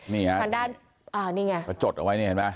นี่ไงจดเอาไว้นี่เห็นไหม